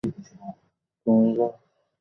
তুমিই যা করার করেছ!